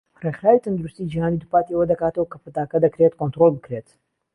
ڕێکخراوی تەندروستی جیهانی دووپاتی ئەوە دەکاتەوە کە پەتاکە دەکرێت کۆنترۆڵ بکرێت.